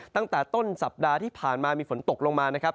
ตั้งแต่ต้นสัปดาห์ที่ผ่านมามีฝนตกลงมานะครับ